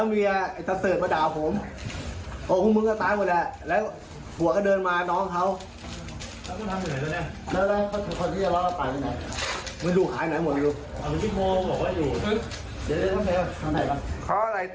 มันดูขายไหนหมด